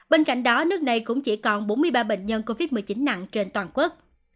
bên cạnh đó nước này cũng chỉ còn bốn mươi ba bệnh nhân covid một mươi chín nặng trên toàn quốc